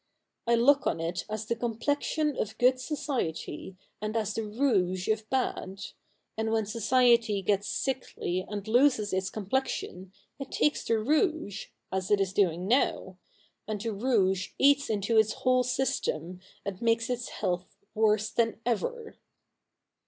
I look on it as the complexion of good society, and as the rouge of bad ; and when society gets sickly and loses its complexion, it takes to rouge — as CH. iTi] THE NEW REPUBLIC 33 it is doing now : and the rouge eats into its whole system, and makes its health worse than ever.'